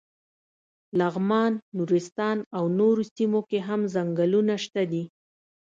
لغمان، نورستان او نورو سیمو کې هم څنګلونه شته دي.